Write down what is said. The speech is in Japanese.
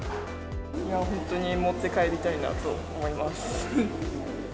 本当に持って帰りたいなと思います。